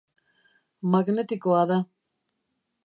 Magnetikoa da.